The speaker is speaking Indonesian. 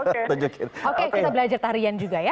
oke kita belajar tarian juga ya